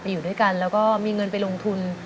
อยู่ด้วยกันแล้วก็มีเงินไปลงทุน